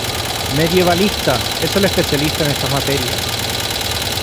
Medievalista es el especialista en estas materias.